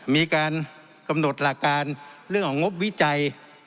มีการกำหนดหลักการเรื่องของงบวิจัย